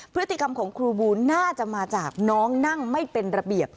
พฤติกรรมของครูบูลน่าจะมาจากน้องนั่งไม่เป็นระเบียบ